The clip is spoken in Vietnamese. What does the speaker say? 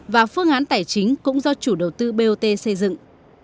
và phương án tài chính cũng do chủ đầu tư bot xây dựng